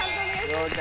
合格。